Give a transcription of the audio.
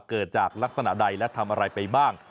เกิดจากลักษณะใดและทำอะไรไปบ้าง